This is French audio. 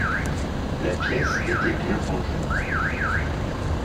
La pièce était bien rangée.